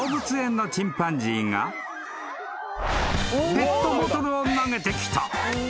［ペットボトルを投げてきた］